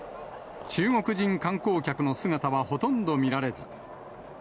中国人観光客の姿はほとんど見られず。